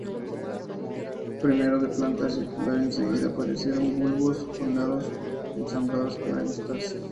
Primero de planta circular, enseguida aparecieron bulbos con lados ensamblados con aristas.